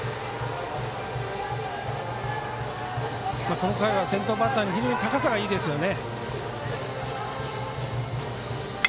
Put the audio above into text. この回は先頭バッターに非常に高さがいいですね。